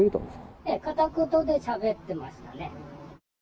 ええ、片言でしゃべってましたね。